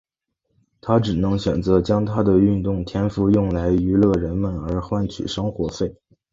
他只能选择将他的运动天赋用来娱乐人们而换取生活费。